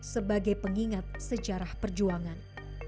sebagai pengingat sejarah perjuangan